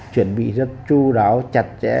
chuẩn bị rất chú đáo chặt chẽ